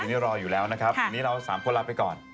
วันนี้รออยู่แล้วนะครับวันนี้เรา๓คนลาไปก่อน